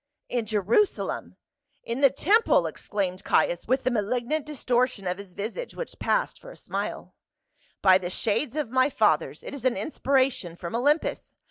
" In Jerusalem — in the temple!" exclaimed Caius, with the malignant distortion of his visage which passed for a smile. " By the shades of my fathers ! it is an inspiration from Olympus.